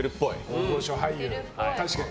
大御所俳優、確かに。